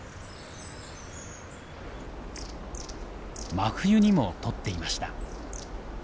真冬にも撮っていました。